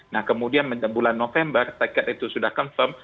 nah kemudian bulan november tiket itu sudah confirm